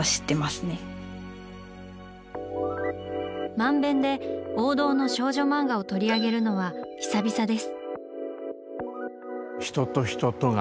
「漫勉」で王道の少女漫画を取り上げるのは久々です！